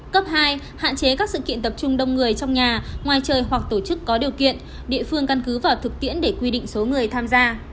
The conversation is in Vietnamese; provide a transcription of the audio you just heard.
cấp hai hạn chế các sự kiện tập trung đông người trong nhà ngoài trời hoặc tổ chức có điều kiện địa phương căn cứ vào thực tiễn để quy định số người tham gia